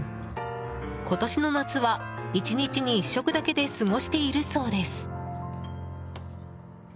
今年の夏は、１日に１食だけで過ごしているそうです。